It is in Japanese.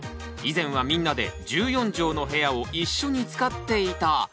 以前はみんなで１４畳の部屋を一緒に使っていた。